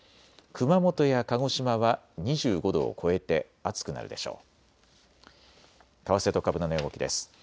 熊本や鹿児島は２５度を超えて暑くなるでしょう。